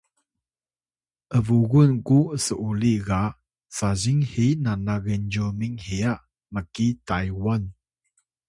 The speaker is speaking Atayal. kbhun ku s’uli ga sazing hi nanak Genzyumin hiya mki Taywan